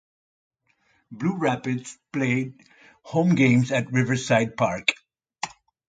Blue Rapids played home games at Riverside Park.